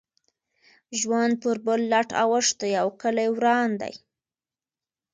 ژوند پر بل لټ اوښتی او کلی وران دی.